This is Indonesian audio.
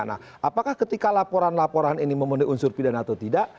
nah apakah ketika laporan laporan ini memenuhi unsur pidana atau tidak